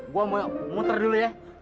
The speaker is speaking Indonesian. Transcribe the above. gue mau muter dulu ya